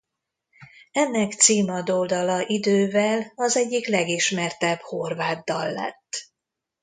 Ennek címadó dala idővel az egyik legismertebb horvát dal lett.